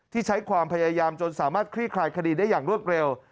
ใช้ความพยายามจนสามารถคลี่คลายคดีได้อย่างรวดเร็ว